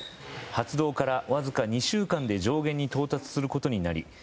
発動からわずか２週間で上限に到達することになり